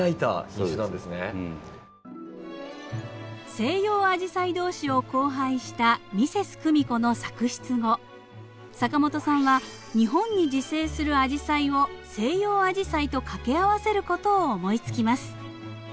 西洋アジサイ同士を交配したミセスクミコの作出後坂本さんは日本に自生するアジサイを西洋アジサイと掛け合わせる事を思いつきます。